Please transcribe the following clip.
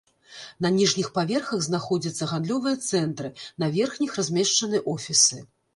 На ніжніх паверхах знаходзяцца гандлёвыя цэнтры, на верхніх размешчаны офісы.